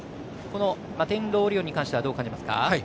マテンロウオリオンに関してはどう感じますか？